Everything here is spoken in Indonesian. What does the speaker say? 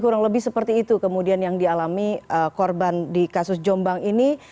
kurang lebih seperti itu kemudian yang dialami korban di kasus jombang ini